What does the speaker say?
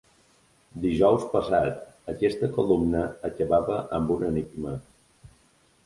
Dijous passat aquesta columna acabava amb un enigma.